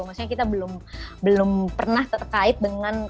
maksudnya kita belum pernah terkait dengan